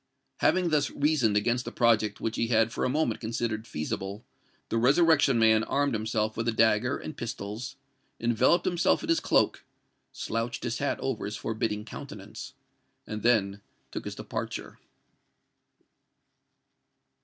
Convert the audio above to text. Having thus reasoned against the project which he had for a moment considered feasible, the Resurrection Man armed himself with a dagger and pistols, enveloped himself in his cloak, slouched his hat over his forbidding countenance, and then took his departure.